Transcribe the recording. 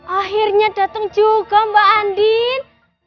akhirnya datang juga mbak andin